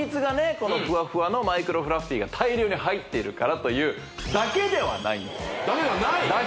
このふわふわのマイクロフラッフィーが大量に入っているからというだけではないんですだけではない？